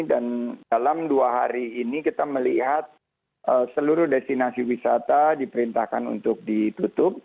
dan dalam dua hari ini kita melihat seluruh destinasi wisata diperintahkan untuk ditutup